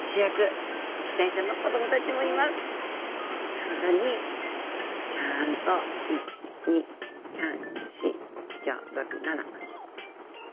体にちゃんと１２３４５６７。